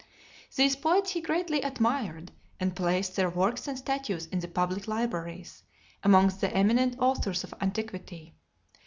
These poets he greatly admired, and placed their works and statues in the public libraries, amongst the eminent authors of antiquity.